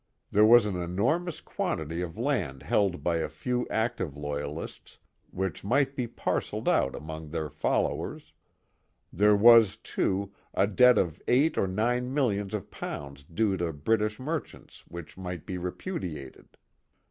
There was an enormous quantity of land held by a few active Loyalists which might be parcelled out among their followers; there was, too, a debt of eight or nine millions of pounds due to British merchants which might be repudiated.